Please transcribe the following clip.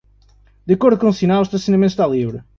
De acordo com o sinal, o estacionamento está livre.